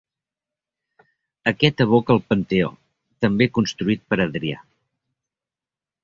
Aquest evoca al Panteó, també construït per Adrià.